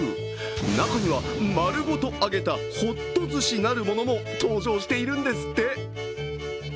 中には丸ごと揚げたホットずしなるものも登場しているんですって。